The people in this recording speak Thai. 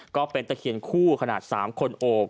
ก็เป็นตะเขียนคู่ขนาด๓คนโอบ